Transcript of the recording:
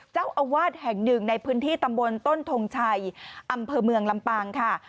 เจ้าอาวาสแห่งหนึ่งในพื้นที่ตำบลต้นทงชัยอำเภอเมืองลำปางค่ะ